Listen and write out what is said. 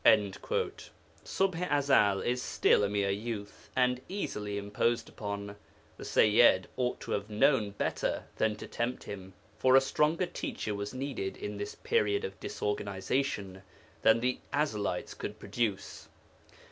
"'] Ṣubḥ i Ezel is still a mere youth and easily imposed upon; the Sayyid ought to have known better than to tempt him, for a stronger teacher was needed in this period of disorganization than the Ezelites could produce.